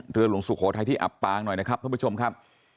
หลวงสุโขทัยที่อับปางหน่อยนะครับท่านผู้ชมครับ